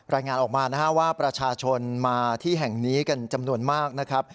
รายงานออกมานะฮะว่าประชาชนมาที่แห่งนี้กันจำนวนมากนะครับ